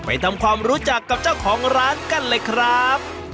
ไปทำความรู้จักกับเจ้าของร้านกันเลยครับ